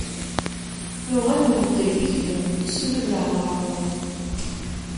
Nuɣal nbeddel tikli, nettu wid leɛmer ṛwan.